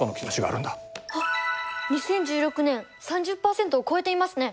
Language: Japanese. あっ２０１６年３０％を超えていますね！